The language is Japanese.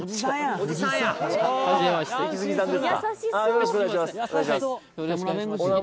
よろしくお願いします